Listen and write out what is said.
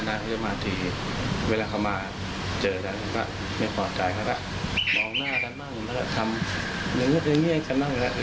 อย่างเงียบอย่างเงียบอย่างเงียบอย่างเงียบ